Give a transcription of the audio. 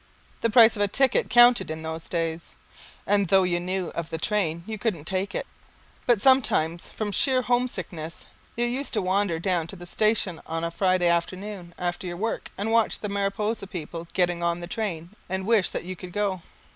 The price of a ticket counted in those days, and though you knew of the train you couldn't take it, but sometimes from sheer homesickness you used to wander down to the station on a Friday afternoon after your work, and watch the Mariposa people getting on the train and wish that you could go.